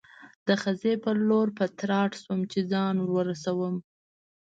د خزې په لور په تراټ شوم، چې ځان ور ورسوم.